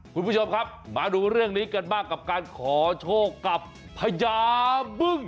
คุณผู้ชมมาดูเรื่องนี้กันบ้างจะขอโชคกับพญาบึ้ง